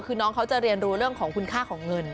คือน้องเขาจะเรียนรู้เรื่องของคุณค่าของเงิน